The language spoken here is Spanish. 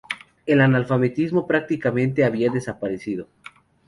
El analfabetismo prácticamente había desaparecido.